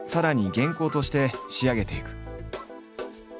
原稿として仕上げていく。